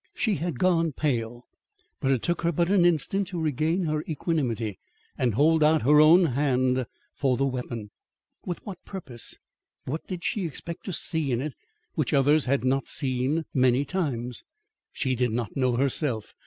She had gone pale, but it took her but an instant to regain her equanimity and hold out her own hand for the weapon. With what purpose? What did she expect to see in it which others had not seen many times? She did not know, herself.